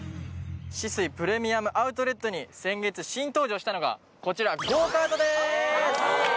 酒々井プレミアム・アウトレットに先月新登場したのがこちらゴーカートです！